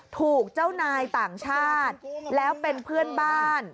ถูกเจ้านายต่างชาติแล้วเป็นเพื่อนบ้าน